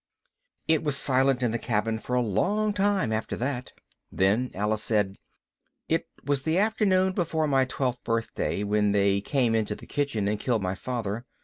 It was silent in the cabin for a long time after that. Then Alice said, "It was the afternoon before my twelfth birthday when they came into the kitchen and killed my father.